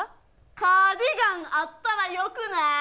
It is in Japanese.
カーディガンあったらよくない？